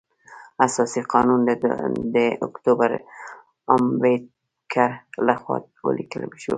اساسي قانون د ډاکټر امبیډکر لخوا ولیکل شو.